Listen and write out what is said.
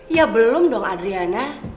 ya belum dong adriana